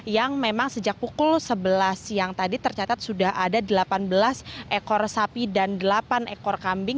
yang memang sejak pukul sebelas siang tadi tercatat sudah ada delapan belas ekor sapi dan delapan ekor kambing